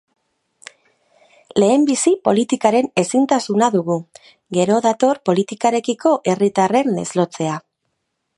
Lehenbizi politikaren ezintasuna dugu, gero dator politikarekiko herritarren deslotzea.